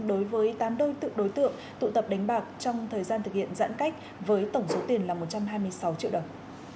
đối với tám đôi tự đối tượng tụ tập đánh bạc trong thời gian thực hiện giãn cách với tổng số tiền là một trăm hai mươi sáu triệu đồng